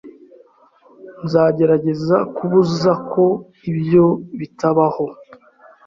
Nzagerageza kubuza ko ibyo bitabaho.